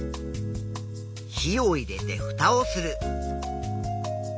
火を入れてふたをする。